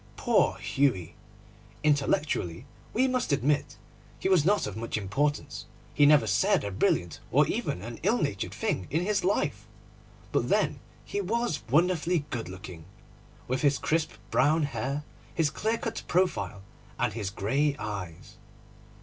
Poor Hughie! Intellectually, we must admit, he was not of much importance. He never said a brilliant or even an ill natured thing in his life. But then he was wonderfully good looking, with his crisp brown hair, his clear cut profile, and his grey eyes.